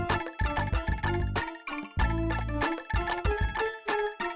masa kenapa sekarang kita di sini